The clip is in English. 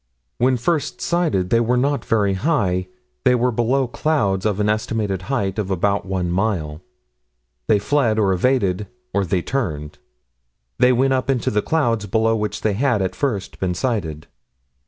When first sighted, they were not very high. They were below clouds of an estimated height of about one mile. They fled, or they evaded, or they turned. They went up into the clouds below which they had, at first, been sighted.